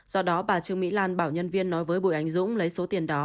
do đó bà trương mỹ lan bảo nhân viên nói với bùi anh dũng lấy số tiền đó